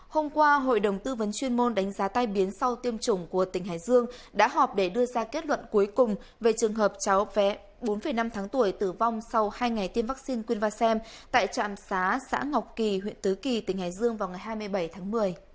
hôm qua hội đồng tư vấn chuyên môn đánh giá tai biến sau tiêm chủng của tỉnh hải dương đã họp để đưa ra kết luận cuối cùng về trường hợp cháu bé bốn năm tháng tuổi tử vong sau hai ngày tiêm vaccine quyên vasem tại trạm xá xã ngọc kỳ huyện tứ kỳ tỉnh hải dương vào ngày hai mươi bảy tháng một mươi